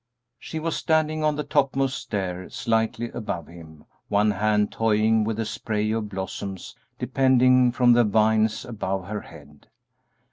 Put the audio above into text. She was standing on the topmost stair, slightly above him, one hand toying with a spray of blossoms depending from the vines above her head.